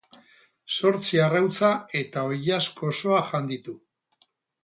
Zortzi arrautza eta oilasko osoa jan ditu.